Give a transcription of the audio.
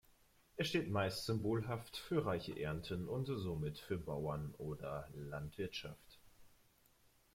Er steht meist symbolhaft für reiche Ernten und somit für Bauern oder Landwirtschaft.